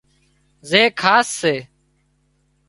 زي خاص سي